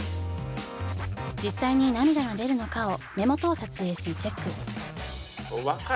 実際に涙が出るのかを目元を撮影しチェック。